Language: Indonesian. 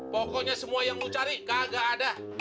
pokoknya semua yang mau cari kagak ada